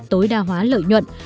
tối đa hóa lợi nhuận